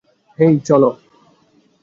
হেই, চল!